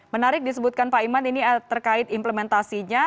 menarik disebutkan pak iman ini terkait implementasinya